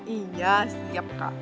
iya siap kak